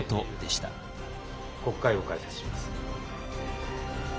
国会を開設します。